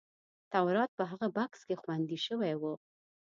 تورات په هغه بکس کې خوندي شوی و.